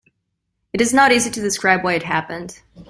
It's not easy to describe why it happened.